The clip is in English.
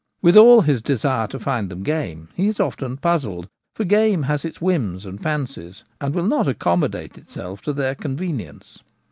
With all his desire to find them game he is often puzzled, for game has its whims and fancies and will not accommodate itself to their convenience.